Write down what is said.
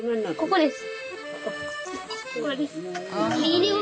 これです。